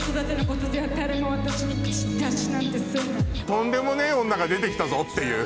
とんでもねえ女が出て来たぞっていう。